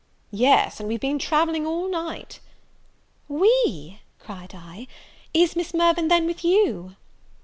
"Yes, and we've been travelling all night." "We!" cried I: "Is Miss Mirvan, then, with you?"